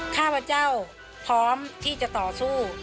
ข้าพเจ้าพร้อมที่จะต่อสู้